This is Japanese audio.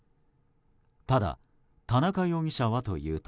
ただ、田中容疑者はというと。